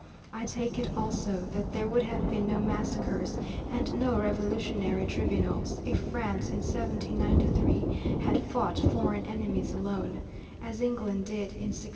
I take it also that there would have been no massacres and no revolutionary tribunals, if France in 1793 had fought foreign enemies alone, as England did in 1688.